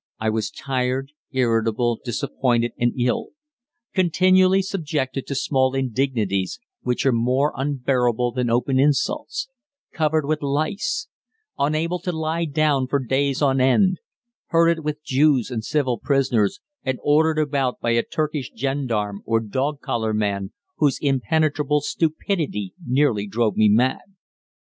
I was tired, irritable, disappointed, and ill; continually subjected to small indignities, which are more unbearable than open insults; covered with lice; unable to lie down for days on end; herded with Jews and civil prisoners, and ordered about by a Turkish gendarme or "dog collar" man, whose impenetrable stupidity nearly drove me mad.